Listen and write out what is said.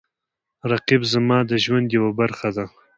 رقیب زما د ژوند یوه برخه ده